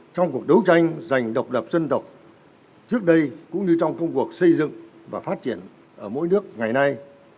trong cuộc đấu tranh giành độc lập dân tộc trước đây cũng như trong công cuộc xây dựng và phát triển ở mỗi nước ngày nay